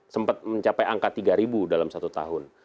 sempat mencapai angka tiga ribu dalam satu tahun